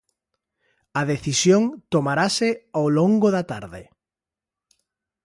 A decisión tomarase ao longo da tarde.